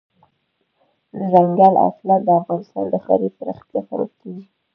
دځنګل حاصلات د افغانستان د ښاري پراختیا سبب کېږي.